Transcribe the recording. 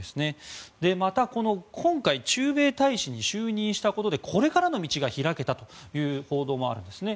今回、駐米大使に就任したことでこれからの道が開けたという報道もあるんですね。